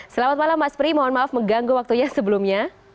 selamat malam mas pri mohon maaf mengganggu waktunya sebelumnya